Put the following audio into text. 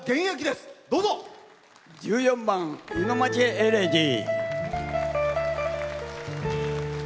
１４番「湯の町エレジー」。